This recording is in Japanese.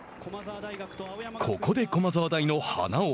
ここで駒沢大の花尾。